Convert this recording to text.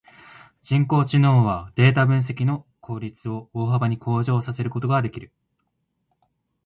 人工知能はデータ分析の効率を大幅に向上させることができる。